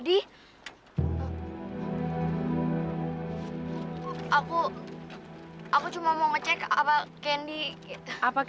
tak saya ia mau tinggal dengan viene saya pun sudah luka luka